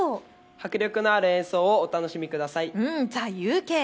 迫力のある演奏をお楽しみください。